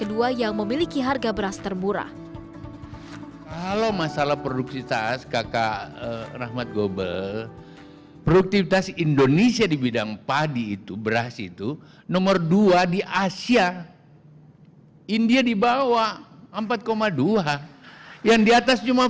indonesia menjadi negara kedua yang memiliki harga beras termurah